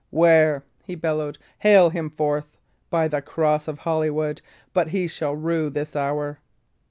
"Where?" he bellowed. "Hale him forth! By the cross of Holywood, but he shall rue this hour!"